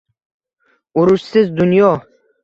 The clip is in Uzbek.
Urushsiz dunyo.